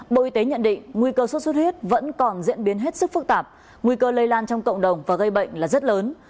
bộ y tế nhận định nguy cơ sốt xuất huyết vẫn còn diễn biến hết sức phức tạp nguy cơ lây lan trong cộng đồng và gây bệnh là rất lớn